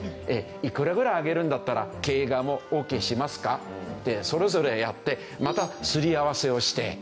「いくらぐらい上げるんだったら経営側もオーケーしますか？」ってそれぞれやってまたすり合わせをして。